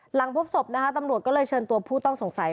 หลังพบศพนะคะตำรวจก็เลยเชิญตัวผู้ต้องสงสัย